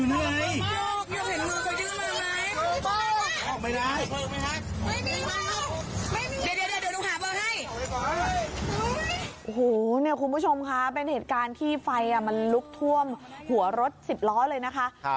เนี่ยคุณผู้ชมครับเป็นเหตุการณ์ที่ไฟอ่ะมันลุกท่วมหัวรถสิบล้อเลยนะคะ